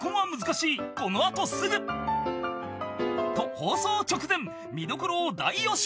［と放送直前見どころを大予習！］